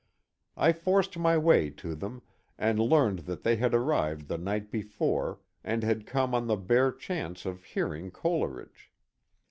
I forced my way to them, and learned that they had arrived the night before, and had come on the bare chance of hearing Coleridge.